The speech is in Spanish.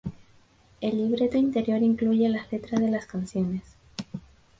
El libreto interior incluye las letras de las canciones.